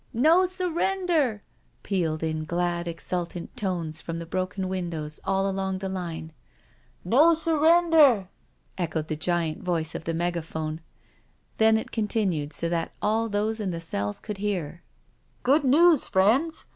No surrender," pealed in glad, exultant tones from the broken windows all along the line. " No surrender," echoed the giant voice of the mega phone. Then it continued so that all those in the cells could hear: " Good news, friends.